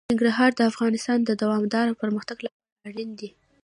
ننګرهار د افغانستان د دوامداره پرمختګ لپاره اړین دي.